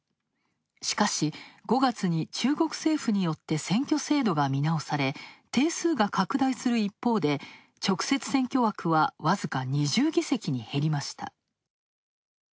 しかし、５月に中国政府によって選挙制度が見直され、定数が拡大する一方で直接選挙枠は僅か２０議席に減りました。